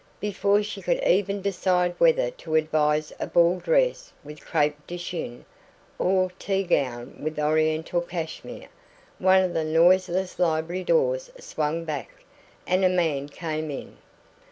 Before she could even decide whether to advise a ball dress with CREPE DE CHINE, or a tea gown with Oriental cashmere, one of the noiseless library doors swung back, and a man came in.